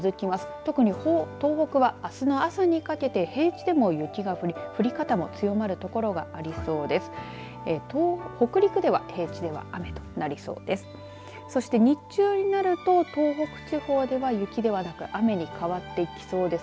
特に東北は、あすの朝にかけて平地でも雪が降り降り方も強まる所がありそうです。